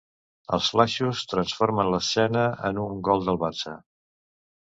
Els flaixos transformen l'escena en un gol del Barça.